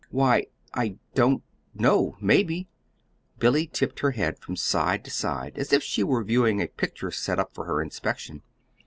"Why, I don't know; maybe!" Billy tipped her head from side to side as if she were viewing a picture set up for her inspection.